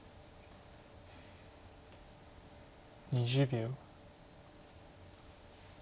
２０秒。